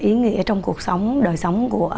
ý nghĩa trong cuộc sống đời sống của